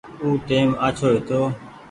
او ٽيم آڇو هيتو۔